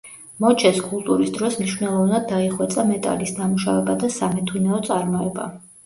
მოჩეს კულტურის დროს მნიშვნელოვნად დაიხვეწა მეტალის დამუშავება და სამეთუნეო წარმოება.